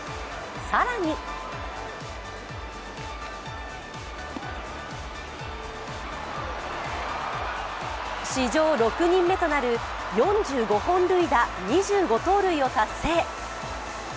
更に史上６人目となる４５本塁打、２５盗塁を達成。